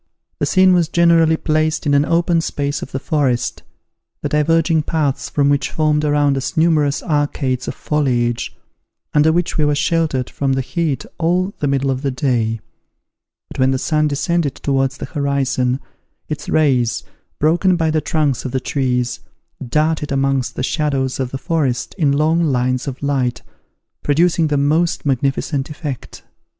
The scene was generally placed in an open space of the forest, the diverging paths from which formed around us numerous arcades of foliage, under which we were sheltered from the heat all the middle of the day; but when the sun descended towards the horizon, its rays, broken by the trunks of the trees, darted amongst the shadows of the forest in long lines of light, producing the most magnificent effect.